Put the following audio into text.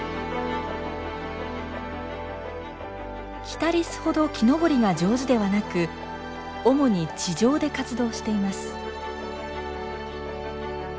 キタリスほど木登りが上手ではなく主に地上で活動しています。